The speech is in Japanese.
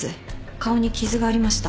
顔に傷がありました。